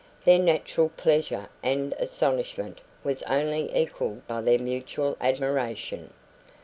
Their natural pleasure and astonishment was only equalled by their mutual admiration.